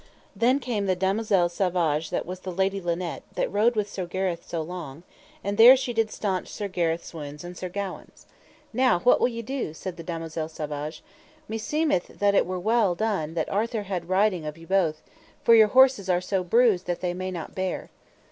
Then came the damosel Savage that was the Lady Linet, that rode with Sir Gareth so long, and there she did staunch Sir Gareth's wounds and Sir Gawaine's. Now what will ye do? said the damosel Savage; meseemeth that it were well done that Arthur had witting of you both, for your horses are so bruised that they may not bear.